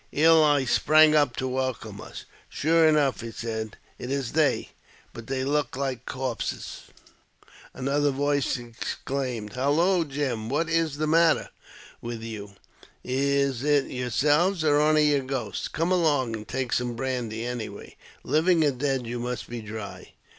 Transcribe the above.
Ely sprang up to welcome us. " Sure enough," said he, " it is they; but they look like corpses." Another voice exclaimed, " Halloo, Jim ! what is the matter 46 AUTOBIOGRAPHY OF with you? Is it yourselves, or only your ghosts? Come along and take some brandy, any way ; living or dead, you must be dry."